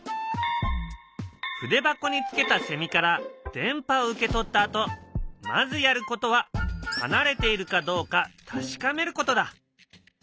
筆箱につけたセミから電波を受け取ったあとまずやることは離れているかどうか確かめることだ。